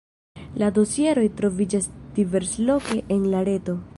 La dosieroj troviĝas diversloke en la reto.